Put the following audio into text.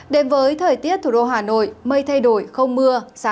đến với thời tiết thủ đô hà nội mây thay đổi không mưa